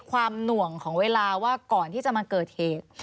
หน่วงของเวลาว่าก่อนที่จะมาเกิดเหตุ